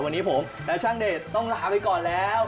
วันนี้ผมและช่างเดชต้องลาไปก่อนแล้ว